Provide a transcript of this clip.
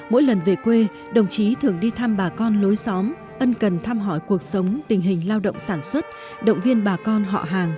mỗi lần về quê đồng chí thường đi thăm bà con lối xóm ân cần thăm hỏi cuộc sống tình hình lao động sản xuất động viên bà con họ hàng